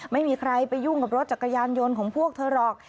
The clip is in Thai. ไม่มีใครไปยุ่งกับรถจักรยานยนต์ของพวกเธอหรอก